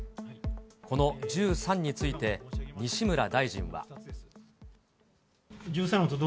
この１３について、西村大臣は。